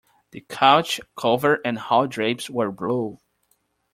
The couch cover and hall drapes were blue.